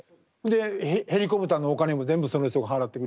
でヘリコプターのお金も全部その人が払ってくれはる。